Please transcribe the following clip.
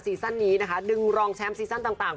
ซั่นนี้นะคะดึงรองแชมป์ซีซั่นต่าง